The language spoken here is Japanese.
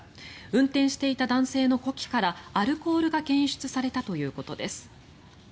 運転していた男性の呼気からアルコールが検出されたということです。